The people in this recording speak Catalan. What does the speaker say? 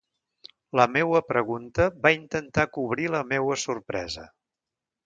La meua pregunta va intentar cobrir la meua sorpresa.